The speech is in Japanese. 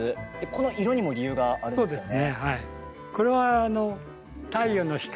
この色にも理由があるんですね？